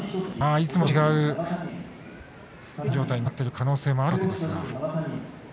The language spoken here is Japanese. いつもと違う精神状態になってる可能性があるわけですが。